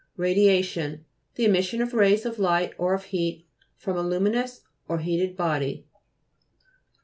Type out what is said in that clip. RADIA'TTON The emission of rays of light, or of heat, from a luminous or a heated body.